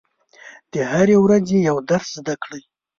د هرې ورځې یو درس زده کړئ.